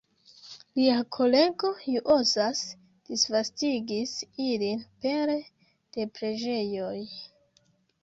Lia kolego Juozas disvastigis ilin pere de preĝejoj.